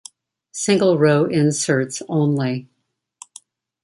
Single row inserts only.